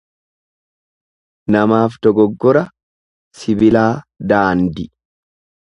Namaaf dogoggora, sibilaa daandi.